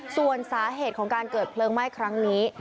ส่วนสาเหตุของการเกิดเพลิงไหม้ครั้งนี้